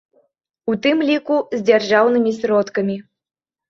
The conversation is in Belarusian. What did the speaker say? У тым ліку, з дзяржаўнымі сродкамі.